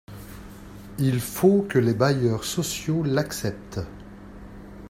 Il faut que les bailleurs sociaux l’acceptent.